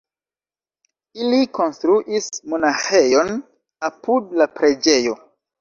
Ili konstruis monaĥejon apud la preĝejo.